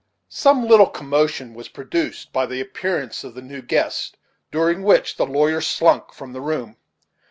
Some little commotion was produced by the appearance of the new guests, during which the lawyer slunk from the room.